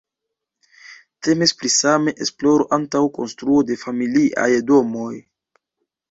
Temis pri sava esploro antaŭ konstruo de familiaj domoj.